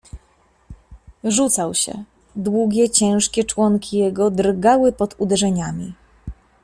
"Rzucał się: długie, ciężkie członki jego drgały pod uderzeniami."